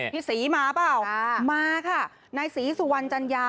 พี่ศรีมาเปล่ามาค่ะนายศรีสุวรรณจัญญา